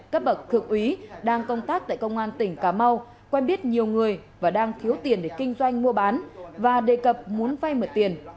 các bậc thượng úy đang công tác tại công an tỉnh cà mau quen biết nhiều người và đang thiếu tiền để kinh doanh mua bán và đề cập muốn vay mượn tiền